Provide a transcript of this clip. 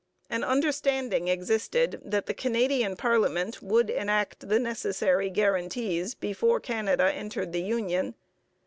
An understanding existed that the Canadian parliament would enact the necessary guarantees before Canada entered the union.